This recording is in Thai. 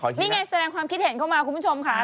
นี่ไงแสดงความคิดเห็นเข้ามาคุณผู้ชมค่ะ